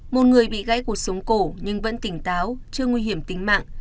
một người bị gãy cuộc sống cổ nhưng vẫn tỉnh táo chưa nguy hiểm tính mạng